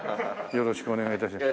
よろしくお願いします。